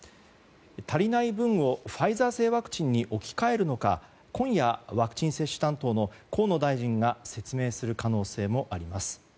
足りない分をファイザー製ワクチンに置き換えるのか、今夜ワクチン接種担当の河野大臣が説明する可能性もあります。